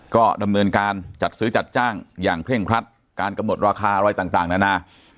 ก็ดำเนินการจัดซื้อจัดจ้างอย่างเคร่งครัดการกำหนดราคาอะไรต่างนานา